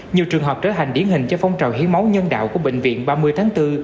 nhiều trường hợp trở thành điển hình cho phong trào hiến máu nhân đạo của bệnh viện ba mươi tháng bốn